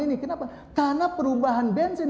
ini kenapa karena perubahan bensin